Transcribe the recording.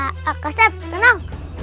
kak sepp tenang